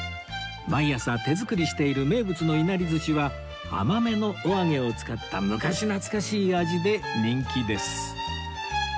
毎朝手作りしている名物のいなりずしは甘めのお揚げを使った昔懐かしい味で人気です